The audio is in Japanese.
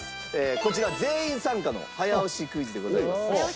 こちら全員参加の早押しクイズでございます。